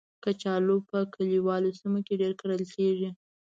کچالو په کلیوالو سیمو کې ډېر کرل کېږي